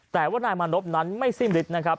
แต่ว่านายมานพนั้นไม่สิ้นฤทธินะครับ